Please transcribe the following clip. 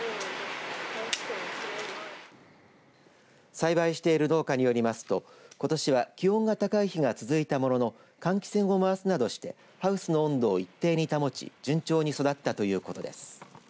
栽培している農家によりますとことしは気温が高い日が続いたものの換気扇を回すなどしてハウスの温度を一定に保ち順調に育ったということです。